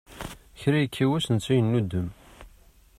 Kra yekka wass netta yennudem.